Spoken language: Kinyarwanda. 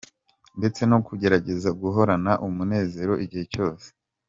Ndetse no kugerageza guhorana umuneza igihe cyose.